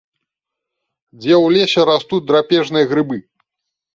Дзе ў лесе растуць драпежныя грыбы?